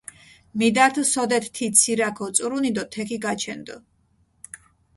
მიდართჷ სოდეთ თი ცირაქ ოწურუნი დო თექი გაჩენდჷ.